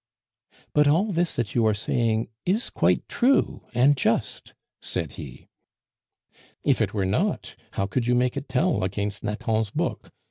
"But all this that you are saying is quite true and just," said he. "If it were not, how could you make it tell against Nathan's book?"